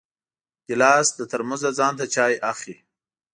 ګیلاس له ترموزه ځان ته چای اخلي.